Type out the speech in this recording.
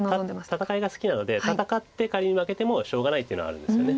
戦いが好きなので戦って仮に負けてもしょうがないっていうのはあるんですよね。